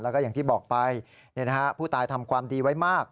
แล้วก็อย่างที่บอกไปผู้ตายทำความดีไว้มาก